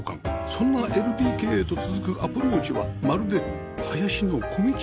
そんな ＬＤＫ へと続くアプローチはまるで林の小道